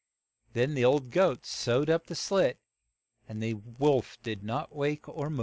Then the old goat sewed up the slit and the wolf did not wake nor move.